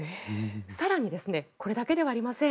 更に、これだけではありません。